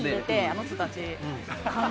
あの人たち。